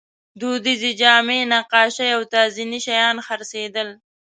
دودیزې جامې، نقاشۍ او تزییني شیان خرڅېدل.